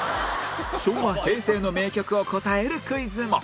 昭和・平成の名曲を答えるクイズも